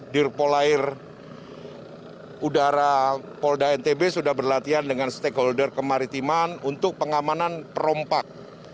dirpol air udara polda ntb sudah berlatih dengan stakeholder kemaritiman untuk pengamanan perompak